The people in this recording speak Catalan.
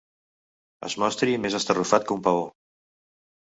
Es mostri més estarrufat que un paó.